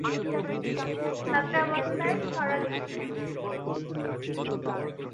ছাত্রাবস্থায় ছড়া লিখতেন।